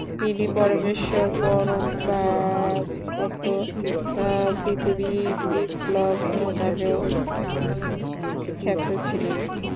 তিনি পরমেশ্বর পরমভাগবত, পৃথিবীবল্লভ নামেও খ্যাত ছিলেন।